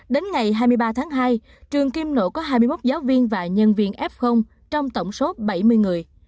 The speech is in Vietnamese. đến ngày hai mươi ba tháng hai trường kim nỗ có hai mươi một giáo viên và nhân viên f trong tổng số bảy mươi người